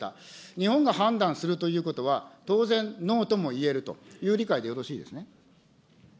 日本が判断するということは、当然、ノーとも言えるという理解でよろしいですね。